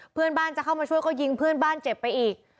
เพื่อนบ้านจะเข้ามาช่วยก็ยิงเพื่อนบ้านเจ็บไปอีก